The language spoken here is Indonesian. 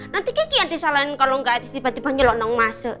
nanti kiki yang disalahin kalau nggak tiba tiba nyelonong masuk